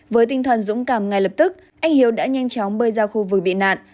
với tinh thần dũng cảm ngay lập tức anh hiếu đã nhanh chóng bơi ra khu vực bị nạn